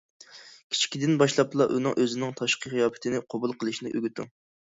كىچىكىدىن باشلاپلا ئۇنىڭ ئۆزىنىڭ تاشقى قىياپىتىنى قوبۇل قىلىشىنى ئۆگىتىڭ.